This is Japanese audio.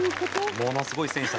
ものすごい選手たちが。